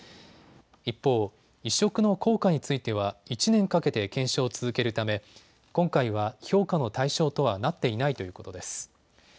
一方、移植の効果については１年かけて検証を続けるため今回は評価の対象とはなっていないということです。